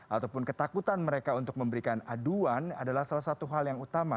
ataupun ketakutan mereka untuk memberikan aduan adalah salah satu hal yang utama